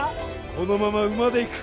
このまま馬で行く